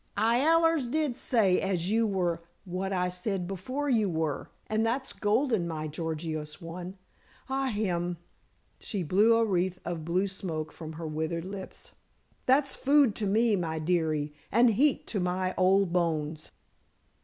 "I allers did say as you were what I said before you were, and that's golden, my Gorgious one. Ahime!" she blew a wreath of blue smoke from her withered lips, "that's food to me, my dearie, and heat to my old bones."